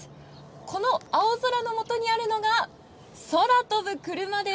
この青空のもとにあるのが、空飛ぶクルマです。